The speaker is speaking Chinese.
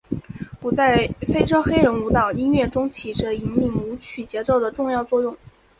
鼓在非洲黑人舞蹈音乐中起着引领舞曲节奏的重要作用。